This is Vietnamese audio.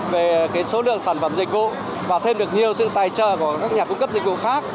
về số lượng sản phẩm dịch vụ và thêm được nhiều sự tài trợ của các nhà cung cấp dịch vụ khác